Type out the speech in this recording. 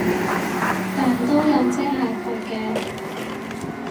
但都有遮下佢嘅